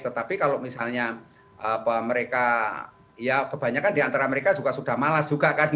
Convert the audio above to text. tetapi kalau misalnya mereka ya kebanyakan di antara mereka juga sudah malas juga kan